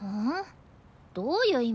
どういう意味よ？